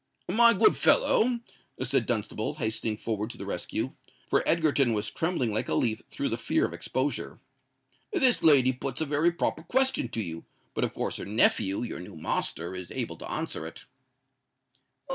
"My good fellow," said Dunstable, hastening forward to the rescue—for Egerton was trembling like a leaf through the fear of exposure,—"this lady puts a very proper question to you; but of course her nephew, your new master, is able to answer it."